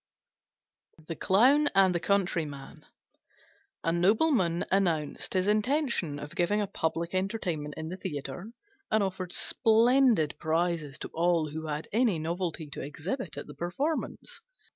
THE CLOWN AND THE COUNTRYMAN A Nobleman announced his intention of giving a public entertainment in the theatre, and offered splendid prizes to all who had any novelty to exhibit at the performance.